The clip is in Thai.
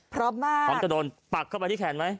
พร้อมมากพร้อมจะโดนปักเข้าไปที่แขนไหม